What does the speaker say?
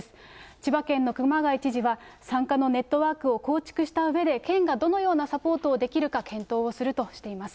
千葉県の熊谷知事は、産科のネットワークを構築したうえで、県がどのようなサポートをできるか検討をするとしています。